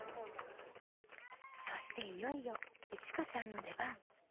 そしていよいよいちかちゃんの出番。